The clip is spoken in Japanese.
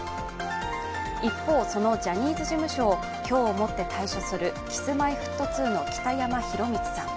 一方、そのジャニーズ事務所を今日をもって退所するＫｉｓ−Ｍｙ−Ｆｔ２の北山宏光さん。